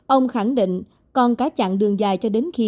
ông khẳng định còn cả chặng đường dài cho đến khi